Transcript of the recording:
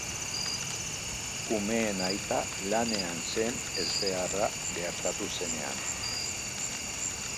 Umeen aita lanean zen ezbeharra gertatu zenean.